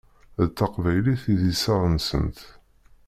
D taqbaylit i d iseɣ-nsent.